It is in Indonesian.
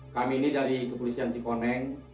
kami ini dari kepolisian cikoneng